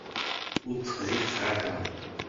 Ur tqelliq ara!